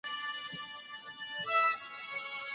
ذهن مو د نویو معلوماتو لپاره خلاصه وساتئ.